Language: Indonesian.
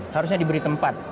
harusnya diberi tempat